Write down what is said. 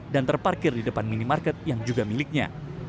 dan terparkir di depan minimarket yang juga miliknya